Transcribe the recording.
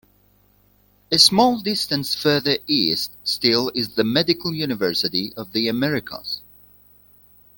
A small distance further east still is the Medical University of the Americas.